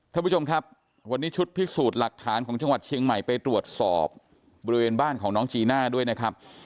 ท่านผู้ชมครับวันนี้ชุดพิสูจน์หลักฐานของจังหวัดเชียงใหม่ไปตรวจสอบบริเวณบ้านของน้องจีน่าด้วยนะครับ